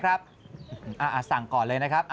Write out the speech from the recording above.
อ่าอ่าสั่งก่อนเลยนะครับ